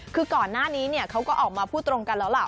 คือก่อนหน้านี้เขาก็ออกมาพูดตรงกันแล้วล่ะ